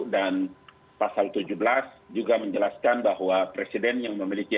dan pasal tujuh belas juga menjelaskan bahwa presiden yang memiliki